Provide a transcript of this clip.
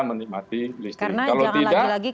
menikmati listrik kalau tidak karena jangan lagi lagi